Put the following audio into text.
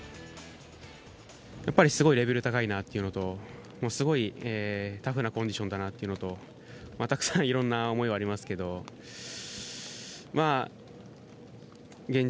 すごいレベル高いなっていうのと、すごいタフなコンディションだなっていうのとたくさんいろんな思いはありますけど、現状